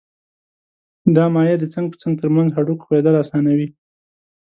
دا مایع د څنګ په څنګ تر منځ هډوکو ښویېدل آسانوي.